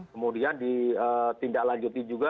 kemudian ditindaklanjuti juga